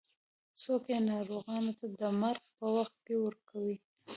څوک یې ناروغانو ته د مرګ په وخت کې ورکوي.